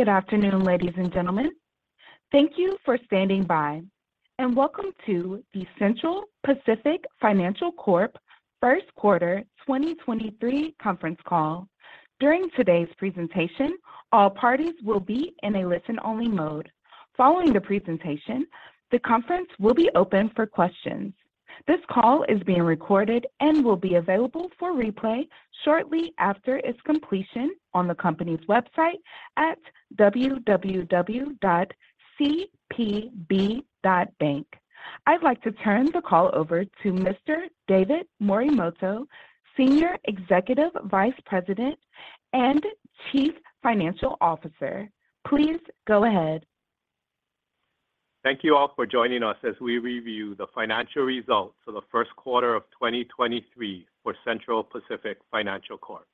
Good afternoon, ladies and gentlemen. Thank you for standing by, welcome to the Central Pacific Financial Corp First Quarter 2023 Conference Call. During today's presentation, all parties will be in a listen-only mode. Following the presentation, the conference will be open for questions. This call is being recorded and will be available for replay shortly after its completion on the company's website at www.cpb.bank. I'd like to turn the call over to Mr. David Morimoto, Senior Executive Vice President and Chief Financial Officer. Please go ahead. Thank you all for joining us as we review the financial results for the first quarter of 2023 for Central Pacific Financial Corp.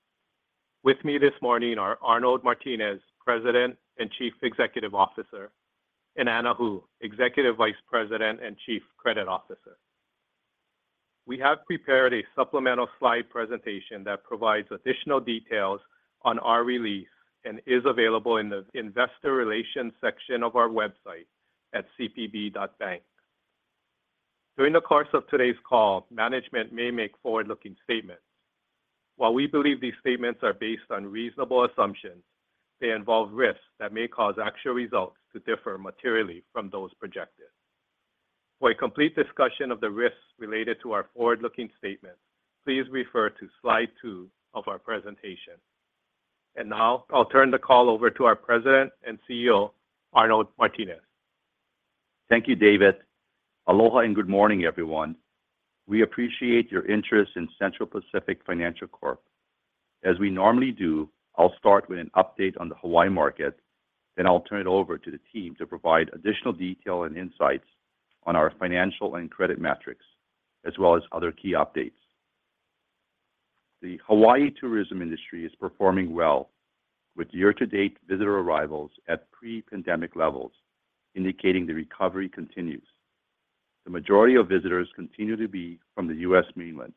With me this morning are Arnold Martines, President and Chief Executive Officer, and Anna Hu, Executive Vice President and Chief Credit Officer. We have prepared a supplemental slide presentation that provides additional details on our release and is available in the investor relations section of our website at cpb.bank. During the course of today's call, management may make forward-looking statements. While we believe these statements are based on reasonable assumptions, they involve risks that may cause actual results to differ materially from those projected. For a complete discussion of the risks related to our forward-looking statements, please refer to Slide two of our presentation. Now I'll turn the call over to our President and CEO, Arnold Martines. Thank you, David. Aloha, good morning, everyone. We appreciate your interest in Central Pacific Financial Corp. As we normally do, I'll start with an update on the Hawaii market, then I'll turn it over to the team to provide additional detail and insights on our financial and credit metrics, as well as other key updates. The Hawaii tourism industry is performing well, with year-to-date visitor arrivals at pre-pandemic levels, indicating the recovery continues. The majority of visitors continue to be from the U.S. mainland.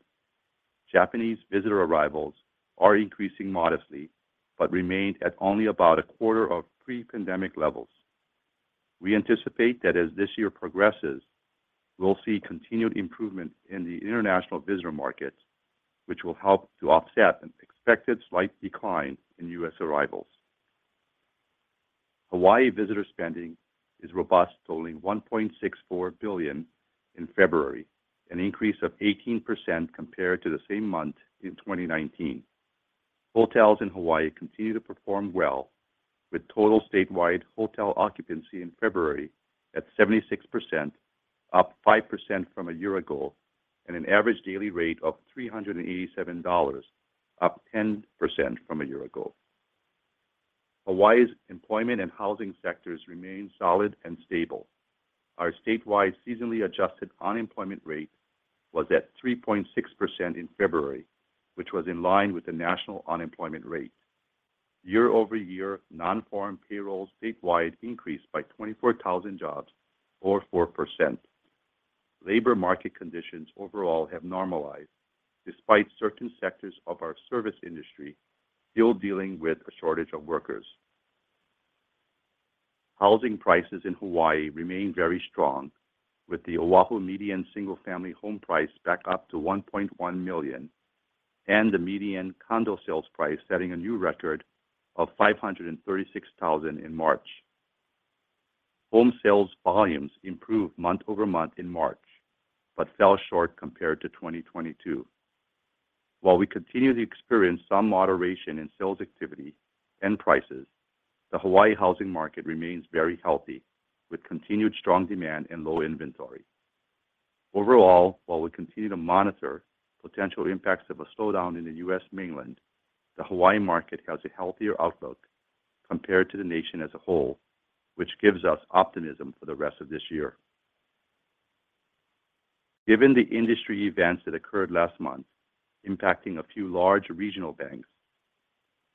Japanese visitor arrivals are increasing modestly but remained at only about a quarter of pre-pandemic levels. We anticipate that as this year progresses, we'll see continued improvement in the international visitor markets, which will help to offset an expected slight decline in U.S. arrivals. Hawaii visitor spending is robust, totaling $1.64 billion in February, an increase of 18% compared to the same month in 2019. Hotels in Hawaii continue to perform well, with total statewide hotel occupancy in February at 76%, up 5% from a year ago, and an average daily rate of $387, up 10% from a year ago. Hawaii's employment and housing sectors remain solid and stable. Our statewide seasonally adjusted unemployment rate was at 3.6% in February, which was in line with the national unemployment rate. Year-over-year, non-farm payrolls statewide increased by 24,000 jobs or 4%. Labor market conditions overall have normalized despite certain sectors of our service industry still dealing with a shortage of workers. Housing prices in Hawaii remain very strong, with the Oahu median single-family home price back up to $1.1 million, and the median condo sales price setting a new record of $536,000 in March. Home sales volumes improved month-over-month in March, but fell short compared to 2022. While we continue to experience some moderation in sales activity and prices, the Hawaii housing market remains very healthy with continued strong demand and low inventory. Overall, while we continue to monitor potential impacts of a slowdown in the U.S. mainland, the Hawaii market has a healthier outlook compared to the nation as a whole, which gives us optimism for the rest of this year. Given the industry events that occurred last month impacting a few large regional banks,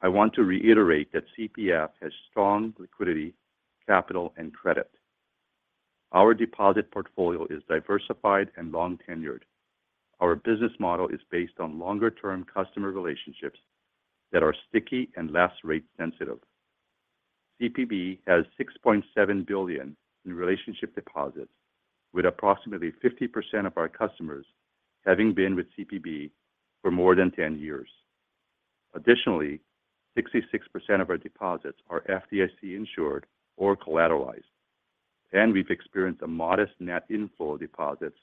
I want to reiterate that CPF has strong liquidity, capital, and credit. Our deposit portfolio is diversified and long-tenured. Our business model is based on longer-term customer relationships that are sticky and less rate sensitive. CPB has $6.7 billion in relationship deposits, with approximately 50% of our customers having been with CPB for more than 10 years. Additionally, 66% of our deposits are FDIC insured or collateralized, and we've experienced a modest net inflow of deposits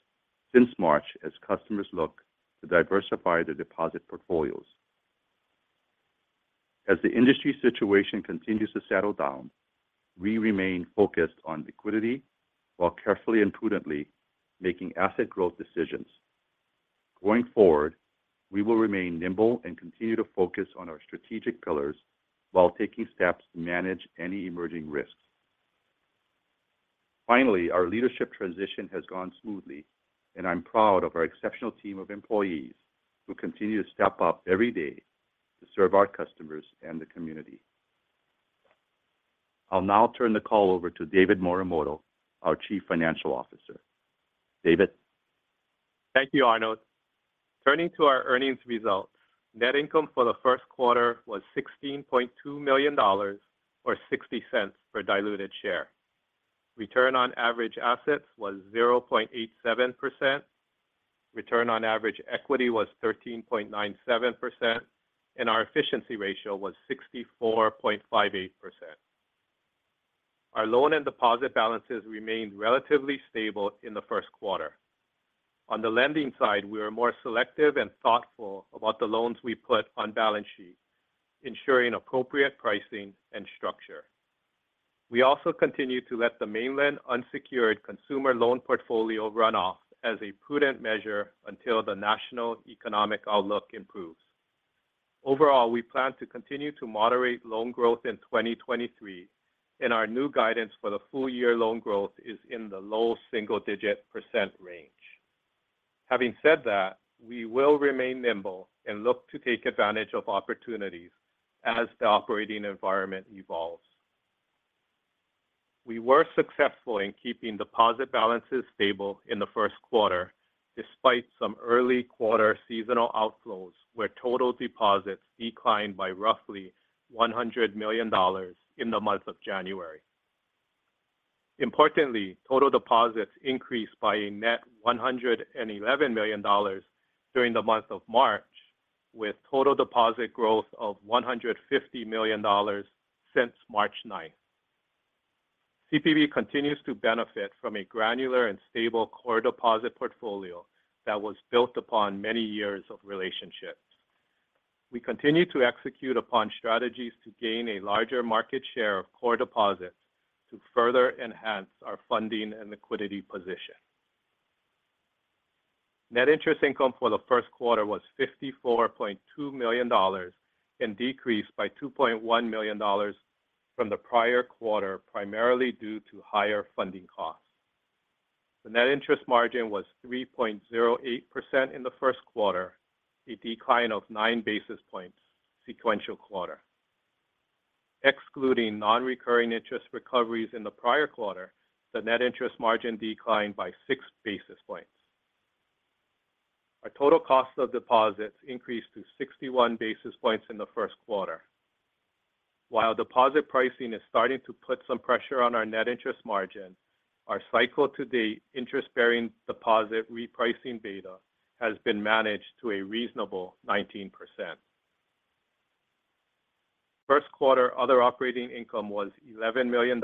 since March as customers look to diversify their deposit portfolios. As the industry situation continues to settle down, we remain focused on liquidity while carefully and prudently making asset growth decisions. Going forward, we will remain nimble and continue to focus on our strategic pillars while taking steps to manage any emerging risks. Finally, our leadership transition has gone smoothly, and I'm proud of our exceptional team of employees who continue to step up every day to serve our customers and the community. I'll now turn the call over to David Morimoto, our Chief Financial Officer. David? Thank you, Arnold. Turning to our earnings results. Net income for the first quarter was $16.2 million or $0.60 per diluted share. Return on average assets was 0.87%. Return on average equity was 13.97%. Our efficiency ratio was 64.58%. Our loan and deposit balances remained relatively stable in the first quarter. On the lending side, we are more selective and thoughtful about the loans we put on balance sheet, ensuring appropriate pricing and structure. We also continue to let the mainland unsecured consumer loan portfolio run off as a prudent measure until the national economic outlook improves. Overall, we plan to continue to moderate loan growth in 2023, and our new guidance for the full year loan growth is in the low single-digit % range. Having said that, we will remain nimble and look to take advantage of opportunities as the operating environment evolves. We were successful in keeping deposit balances stable in the first quarter despite some early quarter seasonal outflows where total deposits declined by roughly $100 million in the month of January. Importantly, total deposits increased by a net $111 million during the month of March, with total deposit growth of $150 million since March 9th. CPB continues to benefit from a granular and stable core deposit portfolio that was built upon many years of relationships. We continue to execute upon strategies to gain a larger market share of core deposits to further enhance our funding and liquidity position. Net interest income for the first quarter was $54.2 million and decreased by $2.1 million from the prior quarter, primarily due to higher funding costs. The net interest margin was 3.08% in the first quarter, a decline of 9 basis points sequential quarter. Excluding non-recurring interest recoveries in the prior quarter, the net interest margin declined by 6 basis points. Our total cost of deposits increased to 61 basis points in the first quarter. While deposit pricing is starting to put some pressure on our net interest margin, our cycle to date interest-bearing deposit repricing beta has been managed to a reasonable 19%. First quarter other operating income was $11 million,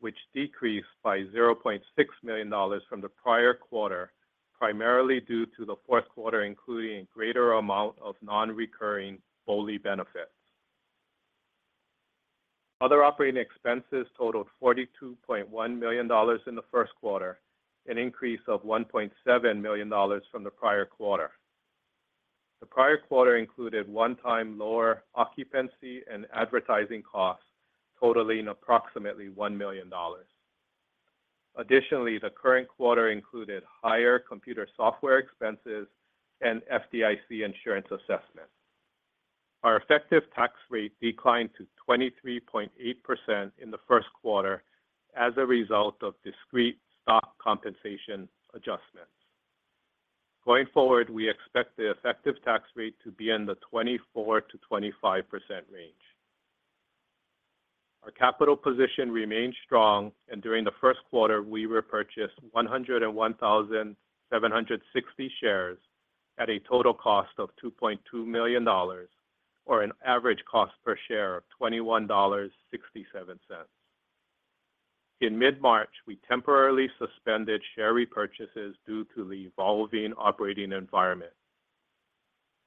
which decreased by $0.6 million from the prior quarter, primarily due to the fourth quarter, including greater amount of non-recurring BOLI benefits. Other operating expenses totaled $42.1 million in the first quarter, an increase of $1.7 million from the prior quarter. The prior quarter included one-time lower occupancy and advertising costs totaling approximately $1 million. Additionally, the current quarter included higher computer software expenses and FDIC insurance assessments. Our effective tax rate declined to 23.8% in the first quarter as a result of discrete stock compensation adjustments. Going forward, we expect the effective tax rate to be in the 24%-25% range. Our capital position remains strong, and during the first quarter, we repurchased 101,760 shares at a total cost of $2.2 million, or an average cost per share of $21.67. In mid-March, we temporarily suspended share repurchases due to the evolving operating environment.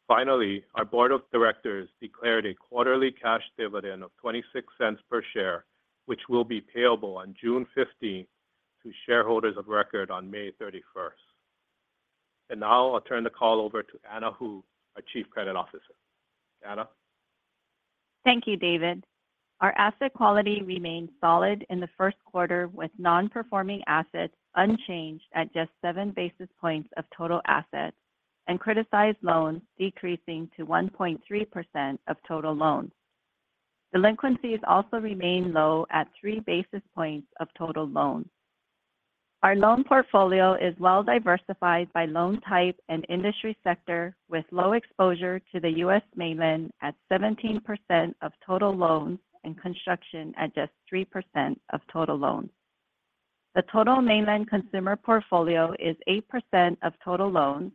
Finally, our board of directors declared a quarterly cash dividend of $0.26 per share, which will be payable on June 15th to shareholders of record on May 31st. Now I'll turn the call over to Anna Hu, our Chief Credit Officer. Anna. Thank you, David. Our asset quality remained solid in the first quarter, with non-performing assets unchanged at just 7 basis points of total assets and criticized loans decreasing to 1.3% of total loans. Delinquencies also remain low at 3 basis points of total loans. Our loan portfolio is well diversified by loan type and industry sector, with low exposure to the U.S. mainland at 17% of total loans and construction at just 3% of total loans. The total mainland consumer portfolio is 8% of total loans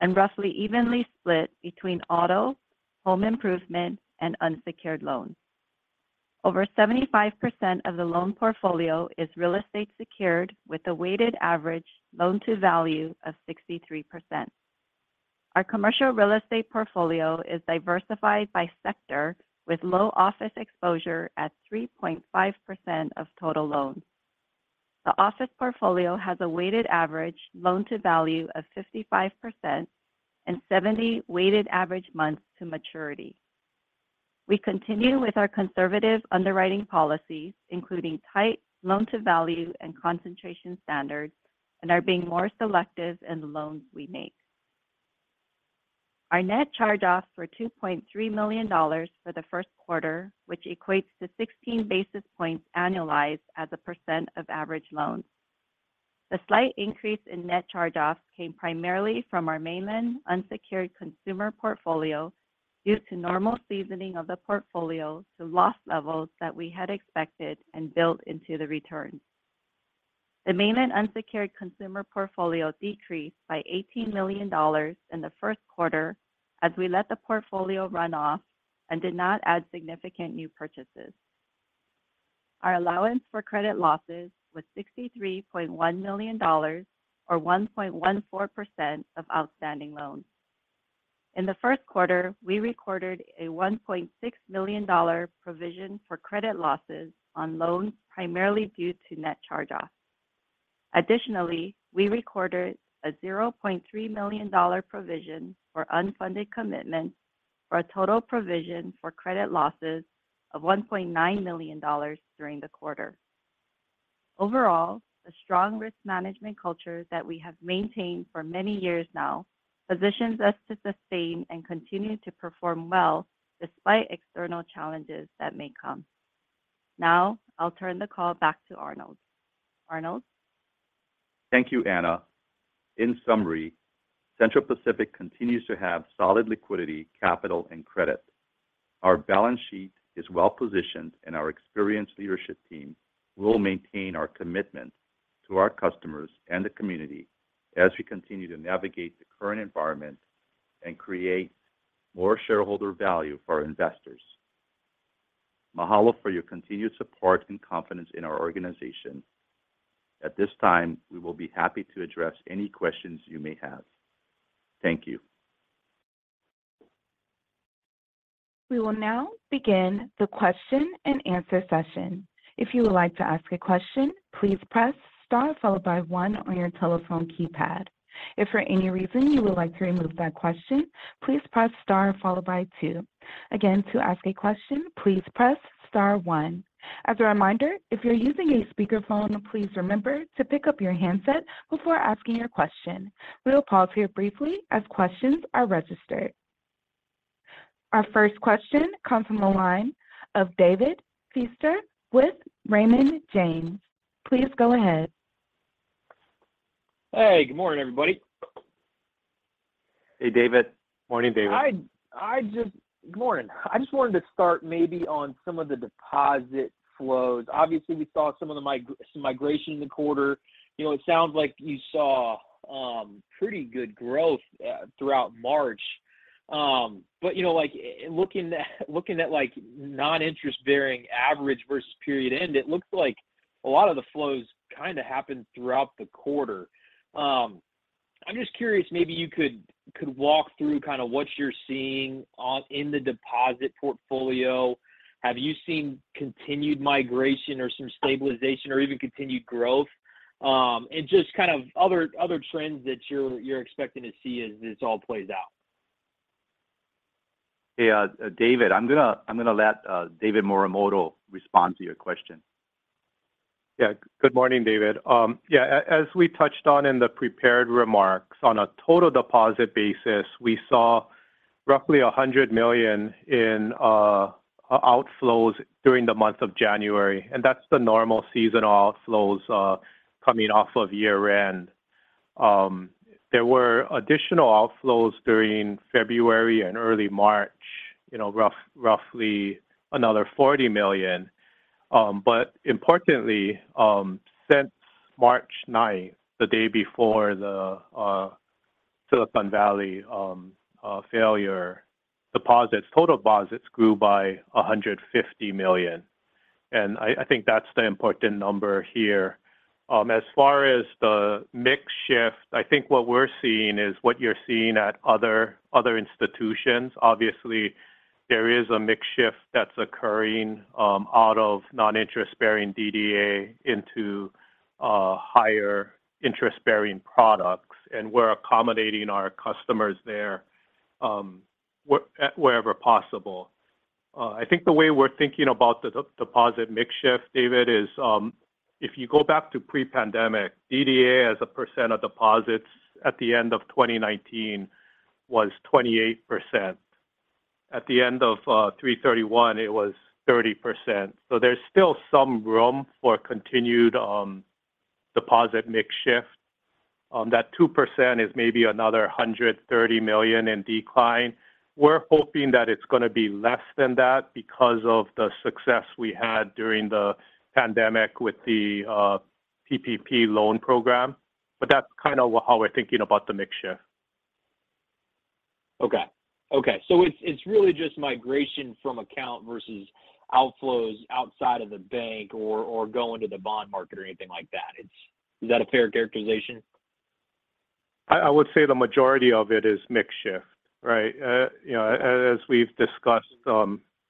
and roughly evenly split between auto, home improvement, and unsecured loans. Over 75% of the loan portfolio is real estate secured with a weighted average loan-to-value of 63%. Our commercial real estate portfolio is diversified by sector with low office exposure at 3.5% of total loans. The office portfolio has a weighted average loan-to-value of 55% and 70 weighted average months to maturity. We continue with our conservative underwriting policies, including tight loan-to-value and concentration standards, and are being more selective in the loans we make. Our net charge-offs were $2.3 million for the first quarter, which equates to 16 basis points annualized as a % of average loans. The slight increase in net charge-offs came primarily from our mainland unsecured consumer portfolio due to normal seasoning of the portfolio to loss levels that we had expected and built into the return. The mainland unsecured consumer portfolio decreased by $18 million in the first quarter as we let the portfolio run off and did not add significant new purchases. Our allowance for credit losses was $63.1 million, or 1.14% of outstanding loans. In the first quarter, we recorded a $1.6 million provision for credit losses on loans primarily due to net charge-offs. We recorded a $0.3 million provision for unfunded commitments for a total provision for credit losses of $1.9 million during the quarter. The strong risk management culture that we have maintained for many years now positions us to sustain and continue to perform well despite external challenges that may come. I'll turn the call back to Arnold. Arnold? Thank you, Anna. In summary, Central Pacific continues to have solid liquidity, capital, and credit. Our balance sheet is well-positioned, and our experienced leadership team will maintain our commitment to our customers and the community as we continue to navigate the current environment and create more shareholder value for our investors. Mahalo for your continued support and confidence in our organization. At this time, we will be happy to address any questions you may have. Thank you. We will now begin the question-and-answer session. If you would like to ask a question, please press star followed by one on your telephone keypad. If for any reason you would like to remove that question, please press star followed by two. Again, to ask a question, please press star one. As a reminder, if you're using a speakerphone, please remember to pick up your handset before asking your question. We will pause here briefly as questions are registered. Our first question comes from the line of David Feaster with Raymond James. Please go ahead. Hey, good morning, everybody. Hey, David. Morning, David. Morning. I just wanted to start maybe on some of the deposit flows. Obviously, we saw some of the migration in the quarter. You know, it sounds like you saw pretty good growth throughout March. You know, like, looking at, like, non-interest-bearing average versus period end, it looks like a lot of the flows kind of happened throughout the quarter. I'm just curious, maybe you could walk through kind of what you're seeing in the deposit portfolio. Have you seen continued migration or some stabilization or even continued growth, and just kind of other trends that you're expecting to see as this all plays out? Yeah, David, I'm gonna let David Morimoto respond to your question. Good morning, David. As we touched on in the prepared remarks, on a total deposit basis, we saw roughly $100 million in outflows during the month of January, and that's the normal seasonal outflows coming off of year-end. There were additional outflows during February and early March, you know, roughly another $40 million. Importantly, since March 9th, the day before the Silicon Valley failure, deposits, total deposits grew by $150 million, and I think that's the important number here. As far as the mix shift, I think what we're seeing is what you're seeing at other institutions. Obviously, there is a mix shift that's occurring out of non-interest-bearing DDA into higher interest-bearing products, and we're accommodating our customers there wherever possible. I think the way we're thinking about the deposit mix shift, David, is, if you go back to pre-pandemic, DDA as a percent of deposits at the end of 2019 was 28%. At the end of 3/31, it was 30%. There's still some room for continued deposit mix shift. That 2% is maybe another $130 million in decline. We're hoping that it's going to be less than that because of the success we had during the pandemic with the PPP loan program, but that's kind of how we're thinking about the mix shift. Okay. Okay. It's really just migration from account versus outflows outside of the bank or going to the bond market or anything like that. It's. Is that a fair characterization? I would say the majority of it is mix shift, right? you know, as we've discussed,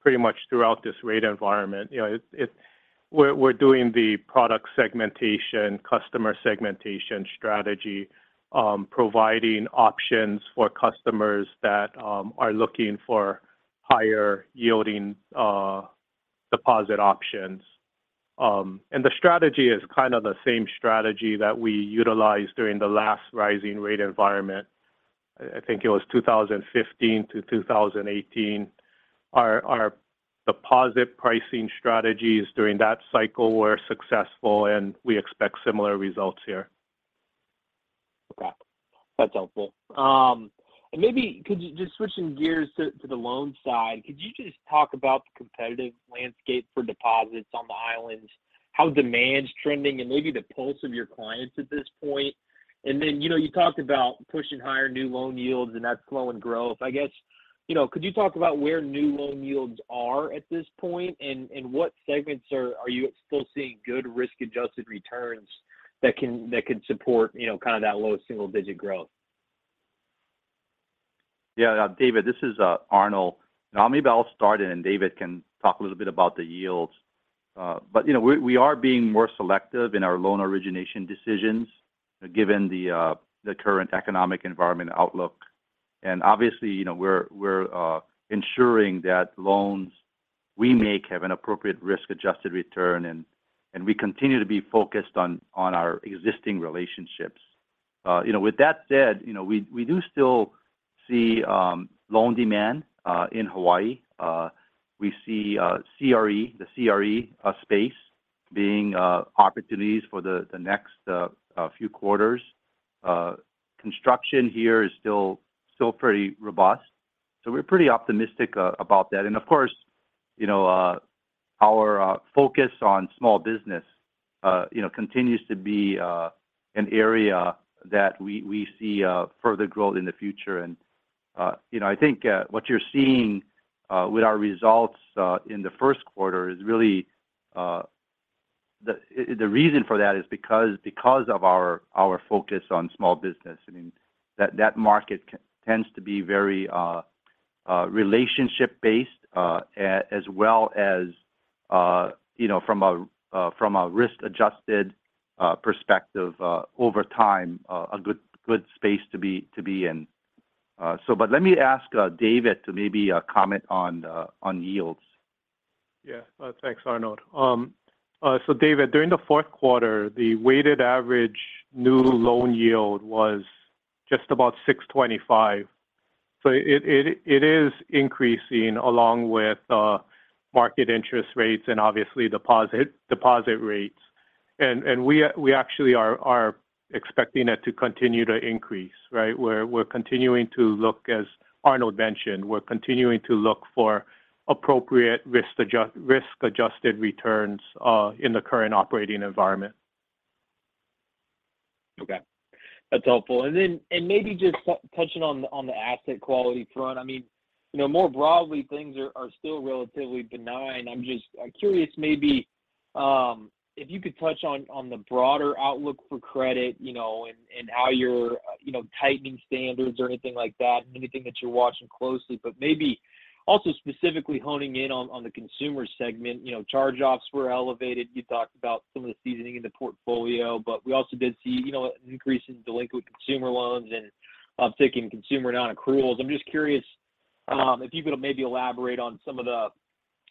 pretty much throughout this rate environment, you know, We're doing the product segmentation, customer segmentation strategy, providing options for customers that are looking for higher yielding, deposit options. The strategy is kind of the same strategy that we utilized during the last rising rate environment. I think it was 2015 to 2018. Our deposit pricing strategies during that cycle were successful, and we expect similar results here. Okay. That's helpful. Maybe could you just switching gears to the loan side, could you just talk about the competitive landscape for deposits on the islands, how demand's trending and maybe the pulse of your clients at this point? You know, you talked about pushing higher new loan yields, and that's slowing growth. I guess, you know, could you talk about where new loan yields are at this point? What segments are you still seeing good risk-adjusted returns that can support, you know, kind of that low single-digit growth? Yeah. David, this is Arnold. Maybe I'll start, and David can talk a little bit about the yields. You know, we are being more selective in our loan origination decisions given the current economic environment outlook. Obviously, you know, we're ensuring that loans we make have an appropriate risk-adjusted return, and we continue to be focused on our existing relationships. You know, with that said, you know, we do still see loan demand in Hawaii. We see the CRE space being opportunities for the next few quarters. Construction here is still pretty robust, so we're pretty optimistic about that. Of course, you know, our focus on small business, you know, continues to be an area that we see further growth in the future. You know, I think what you're seeing with our results in the first quarter is really the reason for that is because of our focus on small business. I mean, that market tends to be very relationship based, as well as, you know, from a from a risk-adjusted perspective, over time, a good space to be in. Let me ask David to maybe comment on on yields. Yeah. Thanks, Arnold. David, during the fourth quarter, the weighted average new loan yield was just about 6.25%. It is increasing along with market interest rates and obviously deposit rates. We actually are expecting it to continue to increase, right? We're continuing to look, as Arnold mentioned, we're continuing to look for appropriate risk-adjusted returns in the current operating environment. Okay. That's helpful. Then maybe just touching on the asset quality front. I mean, you know, more broadly, things are still relatively benign. I'm just curious if you could touch on the broader outlook for credit, you know, and how you're, you know, tightening standards or anything like that, anything that you're watching closely. Maybe also specifically honing in on the consumer segment. You know, charge-offs were elevated. You talked about some of the seasoning in the portfolio, but we also did see, you know, an increase in delinquent consumer loans and upticking consumer non-accruals. I'm just curious if you could maybe elaborate on some of the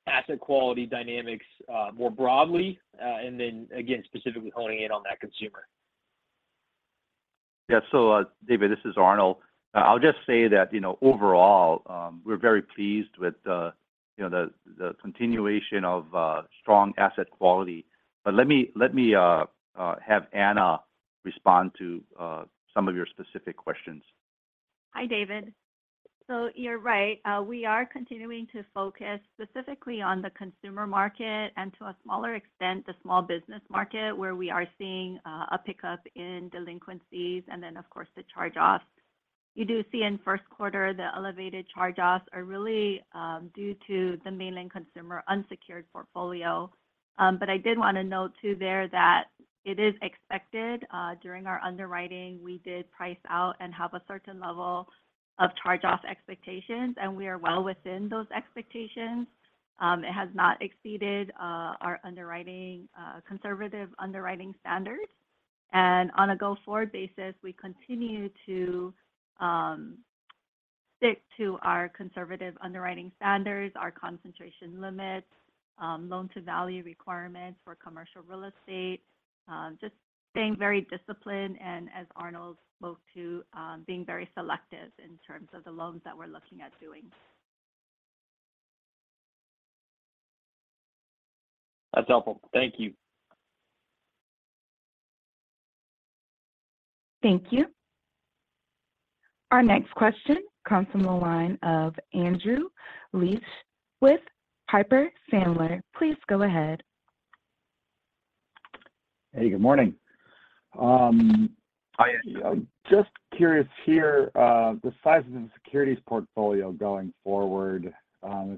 asset quality dynamics more broadly, and then again, specifically honing in on that consumer. Yeah. David, this is Arnold. I'll just say that, you know, overall, we're very pleased with, you know, the continuation of strong asset quality. Let me have Anna respond to some of your specific questions. Hi, David. You're right. We are continuing to focus specifically on the consumer market and to a smaller extent, the small business market, where we are seeing a pickup in delinquencies and then, of course, the charge-offs. You do see in first quarter, the elevated charge-offs are really due to the mainland consumer unsecured portfolio. I did want to note too there that it is expected. During our underwriting, we did price out and have a certain level of charge-off expectations, and we are well within those expectations. It has not exceeded our underwriting conservative underwriting standards. On a go-forward basis, we continue to stick to our conservative underwriting standards, our concentration limits, loan-to-value requirements for commercial real estate, just staying very disciplined and as Arnold spoke to, being very selective in terms of the loans that we're looking at doing. That's helpful. Thank you. Thank you. Our next question comes from the line of Andrew Liesch with Piper Sandler. Please go ahead. Hey, good morning. I am just curious here, the size of the securities portfolio going forward,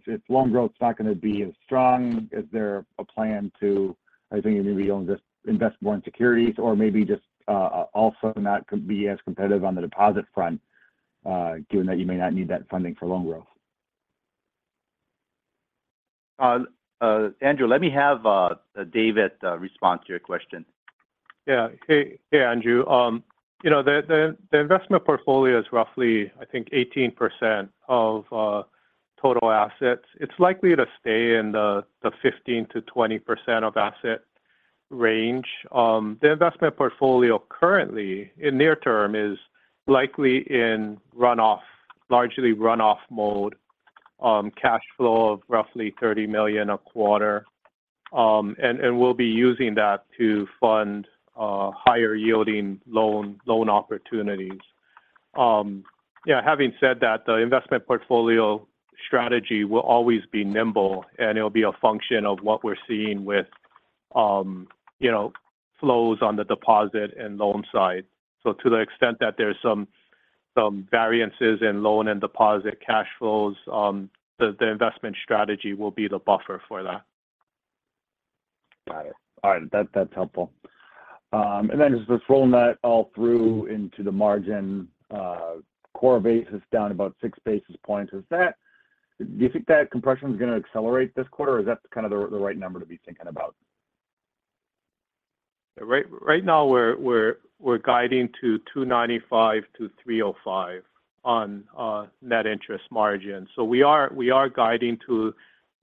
if loan growth is not going to be as strong, is there a plan to, I think maybe you'll invest more in securities or maybe just also not be as competitive on the deposit front, given that you may not need that funding for loan growth? Andrew, let me have David respond to your question. Hey Andrew. You know, the investment portfolio is roughly, I think 18% of total assets. It's likely to stay in the 15%-20% of asset range. The investment portfolio currently in near term is likely in runoff, largely runoff mode, cash flow of roughly $30 million a quarter. We'll be using that to fund higher yielding loan opportunities. Having said that, the investment portfolio strategy will always be nimble, and it'll be a function of what we're seeing with, you know, flows on the deposit and loan side. To the extent that there's some variances in loan and deposit cash flows, the investment strategy will be the buffer for that. Got it. All right. That's helpful. Then just rolling that all through into the margin, core base is down about 6 basis points. Do you think that compression is gonna accelerate this quarter, or is that kind of the right number to be thinking about? Right, right now we're guiding to 2.95% to 3.05% on net interest margin. We are guiding to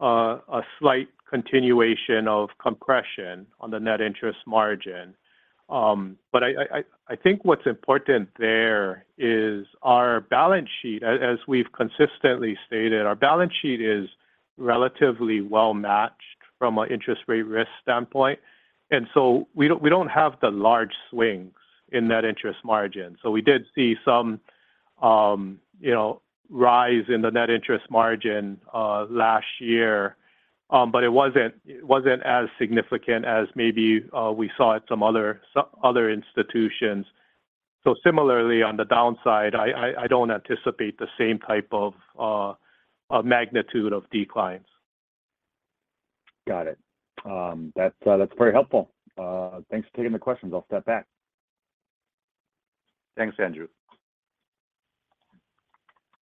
a slight continuation of compression on the net interest margin. I think what's important there is our balance sheet. As we've consistently stated, our balance sheet is relatively well matched from an interest rate risk standpoint. We don't have the large swings in net interest margin. We did see some, you know, rise in the net interest margin last year. It wasn't as significant as maybe we saw at some other institutions. Similarly on the downside, I don't anticipate the same type of magnitude of declines. Got it. That's very helpful. Thanks for taking the questions. I'll step back. Thanks, Andrew.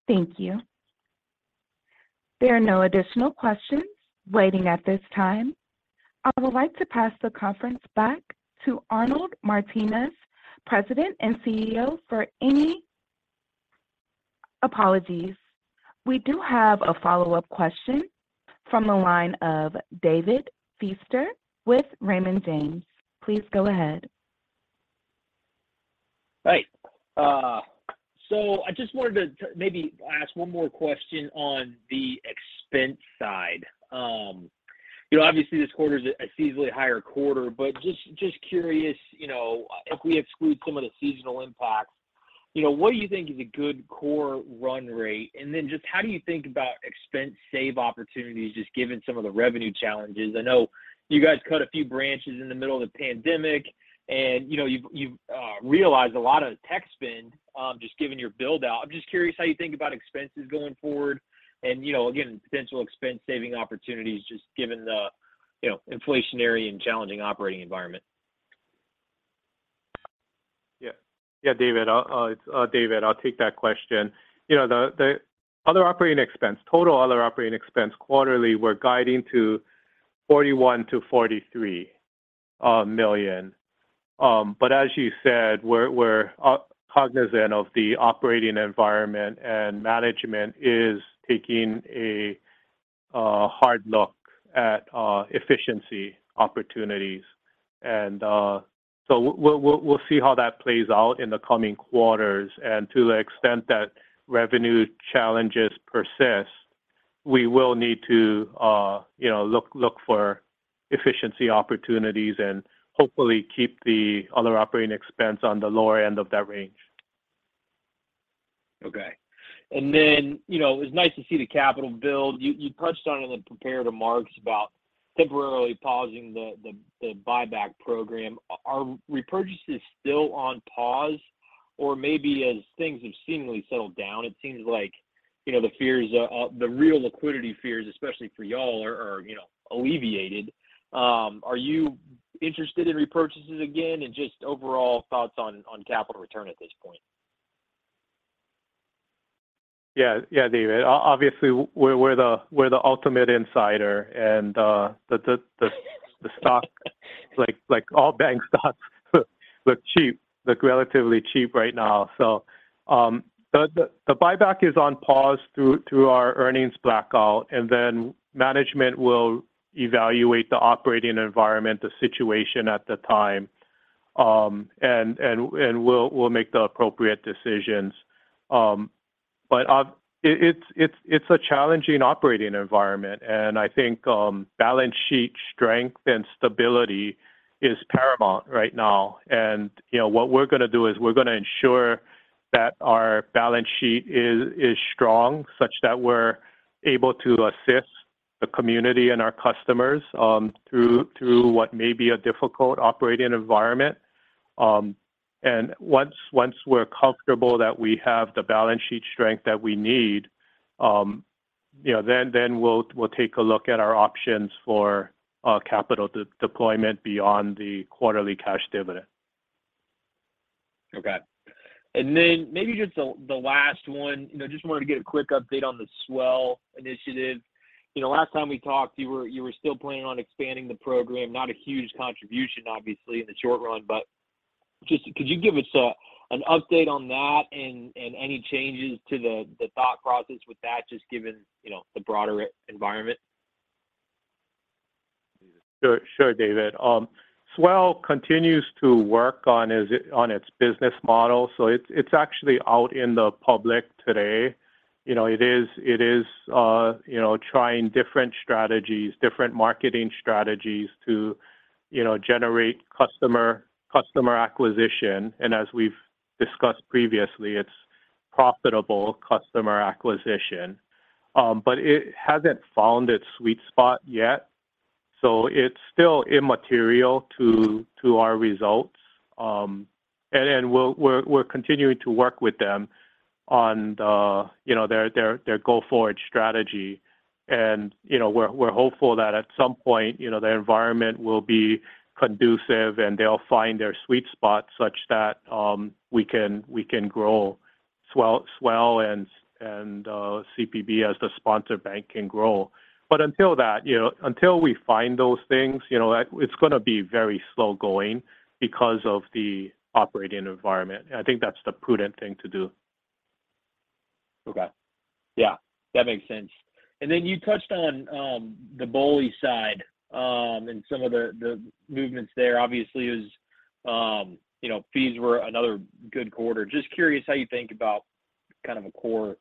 Thank you. There are no additional questions waiting at this time. I would like to pass the conference back to Arnold Martines, President and CEO for any... Apologies. We do have a follow-up question from the line of David Feaster with Raymond James. Please go ahead. Right. I just wanted to maybe ask one more question on the expense side. You know, obviously this quarter is a seasonally higher quarter, but just curious, you know, if we exclude some of the seasonal impacts, you know, what do you think is a good core run rate? Just how do you think about expense save opportunities, just given some of the revenue challenges? I know you guys cut a few branches in the middle of the pandemic and, you know, you've realized a lot of tech spend, just given your build-out. I'm just curious how you think about expenses going forward and, you know, again, potential expense saving opportunities just given the, you know, inflationary and challenging operating environment. Yeah. Yeah, David, it's David, I'll take that question. You know, the other operating expense, total other operating expense quarterly, we're guiding to $41 million-$43 million. As you said, we're cognizant of the operating environment and management is taking a hard look at efficiency opportunities. We'll see how that plays out in the coming quarters. To the extent that revenue challenges persist, we will need to, you know, look for efficiency opportunities and hopefully keep the other operating expense on the lower end of that range. Okay. You know, it was nice to see the capital build. You touched on it in the prepared remarks about temporarily pausing the buyback program. Are repurchases still on pause or maybe as things have seemingly settled down, it seems like, you know, the fears, the real liquidity fears, especially for y'all are, you know, alleviated? Are you interested in repurchases again? Just overall thoughts on capital return at this point. Yeah. Yeah, David. Obviously we're the ultimate insider and the stock, like all bank stocks look cheap, look relatively cheap right now. The buyback is on pause through our earnings blackout, and then management will evaluate the operating environment, the situation at the time, and we'll make the appropriate decisions. But it's a challenging operating environment and I think balance sheet strength and stability is paramount right now. You know, what we're gonna do is we're gonna ensure that our balance sheet is strong such that we're able to assist the community and our customers through what may be a difficult operating environment. Once we're comfortable that we have the balance sheet strength that we need, you know, then we'll take a look at our options for capital de-deployment beyond the quarterly cash dividend. Okay. Maybe just the last one, you know, just wanted to get a quick update on the Swell initiative. You know, last time we talked, you were still planning on expanding the program. Not a huge contribution obviously in the short run, but just could you give us an update on that and any changes to the thought process with that just given, you know, the broader environment? Sure. Sure, David. Swell continues to work on its business model. It's actually out in the public today. You know, it is, you know, trying different strategies, different marketing strategies to, you know, generate customer acquisition. As we've discussed previously, it's profitable customer acquisition. But it hasn't found its sweet spot yet, so it's still immaterial to our results. We're continuing to work with them on the, you know, their go forward strategy. You know, we're hopeful that at some point, you know, their environment will be conducive, and they'll find their sweet spot such that we can grow Swell and CPB as the sponsor bank can grow. Until that, you know, until we find those things, you know, it's gonna be very slow going because of the operating environment. I think that's the prudent thing to do. Okay. Yeah, that makes sense. Then you touched on the BOLI side, and some of the movements there obviously is, you know, fees were another good quarter. Just curious how you think about kind of a core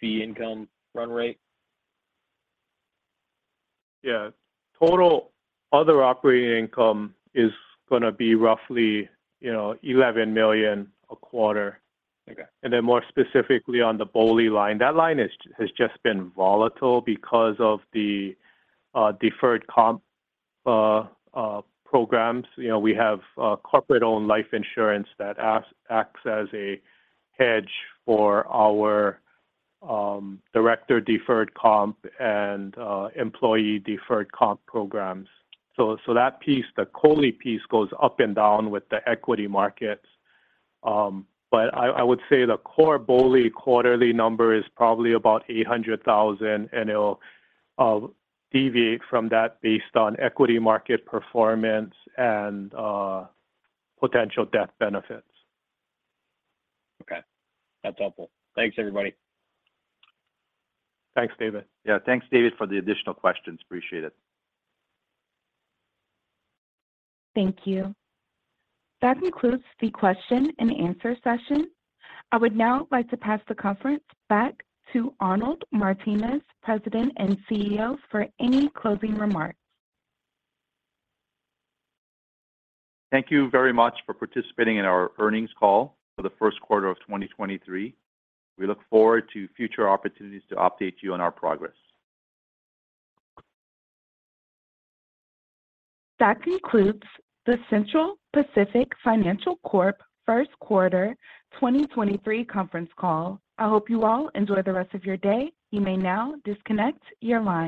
fee income run rate? Total other operating income is gonna be roughly, you know, $11 million a quarter. Okay. More specifically on the BOLI line. That line has just been volatile because of the deferred comp programs. You know, we have corporate-owned life insurance that acts as a hedge for our director deferred comp and employee deferred comp programs. That piece, the COLI piece, goes up and down with the equity markets. I would say the core BOLI quarterly number is probably about $800,000, and it'll deviate from that based on equity market performance and potential death benefits. Okay. That's helpful. Thanks, everybody. Thanks, David. Yeah. Thanks, David, for the additional questions. Appreciate it. Thank you. That concludes the question and answer session. I would now like to pass the conference back to Arnold Martines, President and CEO, for any closing remarks. Thank you very much for participating in our earnings call for the first quarter of 2023. We look forward to future opportunities to update you on our progress. That concludes the Central Pacific Financial Corp First Quarter 2023 Conference Call. I hope you all enjoy the rest of your day. You may now disconnect your line.